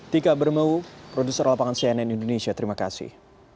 tika bermau produser lapangan cnn indonesia terima kasih